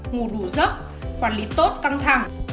ngủ đủ dốc khoản lý tốt căng thẳng